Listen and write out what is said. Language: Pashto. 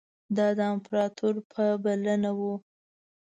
دا د امپراطور په بلنه وو.